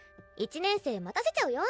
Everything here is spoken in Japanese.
１年生待たせちゃうよ。